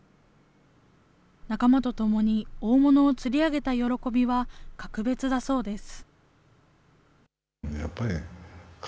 仲間と共に大物を釣り上げた喜びは格別だそうです。